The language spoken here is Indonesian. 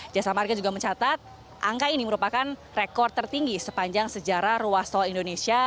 jasa marga juga mencatat angka ini merupakan rekor tertinggi sepanjang sejarah ruas tol indonesia